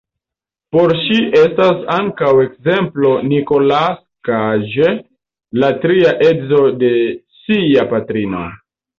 Por ŝi estas ankaŭ ekzemplo Nicolas Cage, la tria edzo de sia patrino.